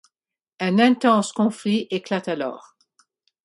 Un intense conflit éclate alors.